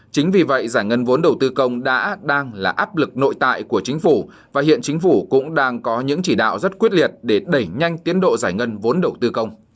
chính vì vậy giải ngân vốn đầu tư công đã đang là áp lực nội tại của chính phủ và hiện chính phủ cũng đang có những chỉ đạo rất quyết liệt để đẩy nhanh tiến độ giải ngân vốn đầu tư công